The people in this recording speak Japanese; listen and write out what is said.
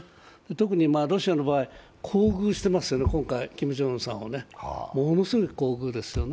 特にロシアの場合、厚遇していますよね、今回キム・ジョンウンさんをね、ものすごい厚遇ですよね。